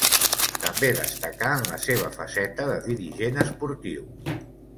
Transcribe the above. També destacà en la seva faceta de dirigent esportiu.